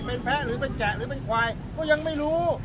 เป็นแพ้หรือเป็นแกะหรือเป็นควายก็ยังไม่รู้